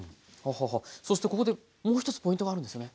そしてここでもう１つポイントがあるんですよね？